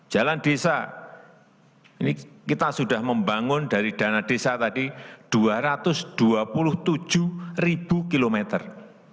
jalan desa ini kita sudah membangun dari dana desa tadi dua ratus dua puluh tujuh ribu kilometer